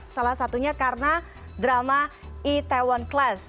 salah satunya karena drama itaewon class